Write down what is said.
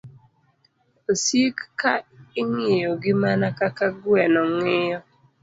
Osik ka ing'iyogi mana kaka gweno ng'iyo